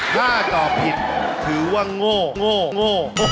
ถ้าตอบผิดถือว่าโง่โง่โง่